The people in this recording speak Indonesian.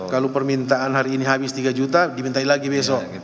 kalau permintaan hari ini habis tiga juta dimintai lagi besok